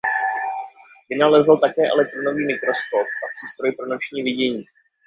Vynalezl také elektronový mikroskop a přístroj pro noční vidění.